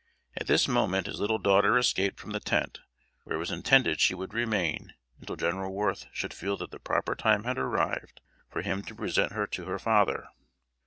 At this moment his little daughter escaped from the tent, where it was intended she should remain until General Worth should feel that the proper time had arrived for him to present her to her father.